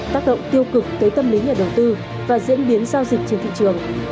tác động tiêu cực tới tâm lý nhà đầu tư và diễn biến giao dịch trên thị trường